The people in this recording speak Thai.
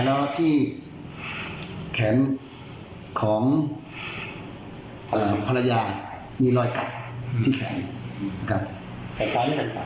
และที่แขนของภรรยามีรอยกลับที่แขน